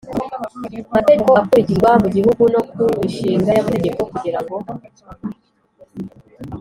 mategeko akurikizwa mu Gihugu no ku mishinga y amategeko kugira ngo